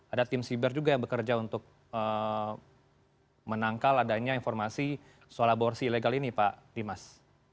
ada tim siber juga yang bekerja untuk menangkal adanya informasi soal aborsi ilegal ini pak dimas